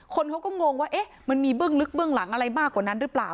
คนเขาก็งงว่ามันมีเบื้องลึกเบื้องหลังอะไรมากกว่านั้นหรือเปล่า